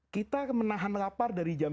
kita menahan lapar dari jam